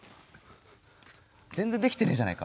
全然できてねえじゃねえか。